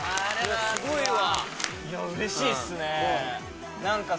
すごいわ！